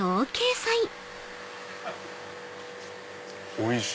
おいしい！